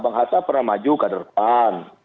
bang hatta pernah maju ke depan